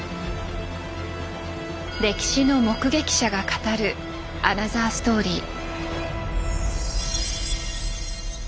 歴史の目撃者が語るアナザーストーリー。